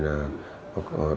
đối tượng dũng út